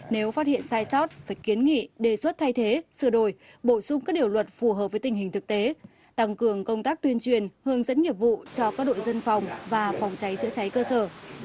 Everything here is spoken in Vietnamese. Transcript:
nếu phát hiện sai sót phải kiến nghị đề xuất thay thế sửa đổi bổ sung các điều luật phù hợp với tình hình thực tế tăng cường công tác tuyên truyền hướng dẫn nghiệp vụ cho các đội dân phòng và phòng cháy chữa cháy cơ sở